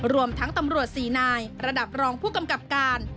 รวมทั้งตำรวจ๔นายระดับรองผู้กำกับการ